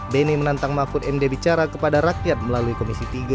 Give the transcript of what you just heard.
beni menantang mahfud md bicara kepada rakyat melalui komisi tiga